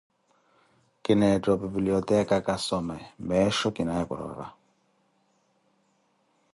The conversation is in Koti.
kineettha opipilioteeka kasome, meesho kinaaye porova.